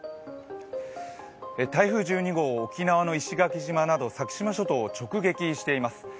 台風１２号、沖縄の石垣島など先島諸島を直撃しています。